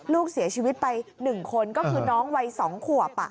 ลูกเสียชีวิตไป๑คนก็คือน้องวัย๒ขวบ